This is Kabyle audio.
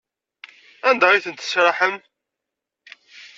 Anda ay tent-tesraḥem?